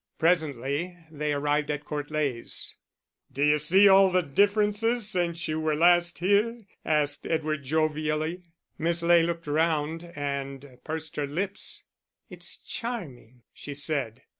Presently they arrived at Court Leys. "D'you see all the differences since you were last here?" asked Edward, jovially. Miss Ley looked round and pursed her lips. "It's charming," she said.